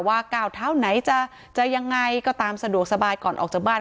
ก้าวเท้าไหนจะยังไงก็ตามสะดวกสบายก่อนออกจากบ้าน